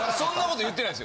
言ってないですよ。